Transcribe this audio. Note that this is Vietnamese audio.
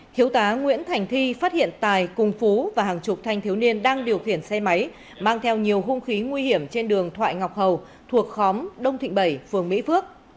thiếu tá nguyễn thành thi phát hiện tài cùng phú và hàng chục thanh thiếu niên đang điều khiển xe máy mang theo nhiều hung khí nguy hiểm trên đường thoại ngọc hầu thuộc khóm đông thịnh bảy phường mỹ phước